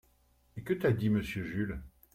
Et que t’a dit Monsieur Jules ?